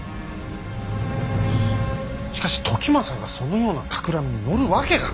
しかし時政がそのようなたくらみに乗るわけが。